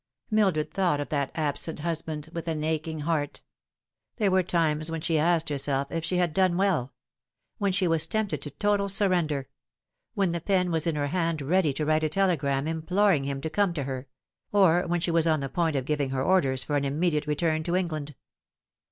Mildred thought of that absent husband with an aching heart. There were times when she asked herself if she had done well when she was tempted to total surrender when the pen was in her hand ready to write a telegram imploring him to come to her or when she was on the point of giving her orders for an immediate return to England.